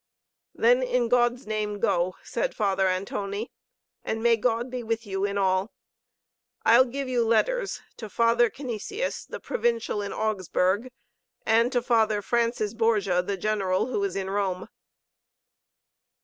Then, in God's name, go! " said Father Antonie "And may God be with you in all. I'll give you letters to Father Canisius, the Provincial in Augsburg, and to Father Francis Borgia, the General, who is in Rome."